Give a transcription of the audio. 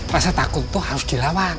rasa takut itu harus dilawan